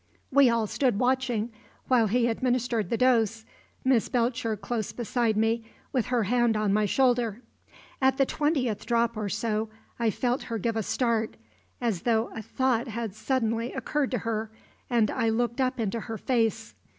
We all stood watching while he administered the dose, Miss Belcher close beside me, with her hand on my shoulder. At the twentieth drop or so I felt her give a start, as though a thought had suddenly occurred to her, and I looked up into her face.